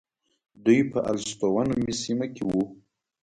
دوی په السطوة نومې سیمه کې وو.